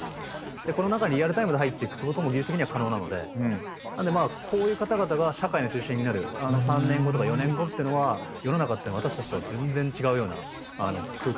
この中にリアルタイムで入っていくってことも技術的には可能なのでこういう方々が社会の中心になる３年後とか４年後っていうのは世の中っていうのは私たちとは全然違うような空間になっていくんじゃないかなと思ってます。